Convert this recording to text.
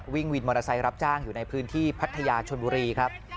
วินมอเตอร์ไซค์รับจ้างอยู่ในพื้นที่พัทยาชนบุรีครับ